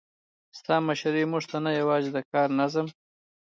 ستا مشري موږ ته نه یوازې د کار نظم،